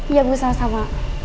iya bu sama sama